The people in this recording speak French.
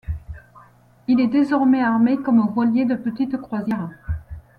Il est désormais armé comme voilier de petite croisière.